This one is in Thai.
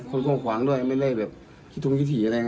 คนความขวางด้วยไม่ได้แบบคิดทุ่มคิดถี่อะไรไงครับ